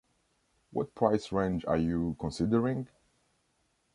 What price range are you considering?